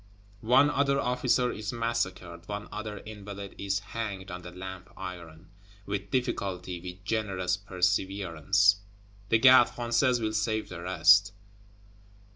One other officer is massacred; one other Invalide is hanged on the Lamp iron; with difficulty, with generous perseverance, the Gardes Françaises will save the rest.